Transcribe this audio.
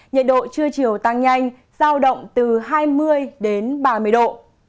nhiệt độ trưa chiều tăng nhanh giao động từ hai mươi đến ba mươi độ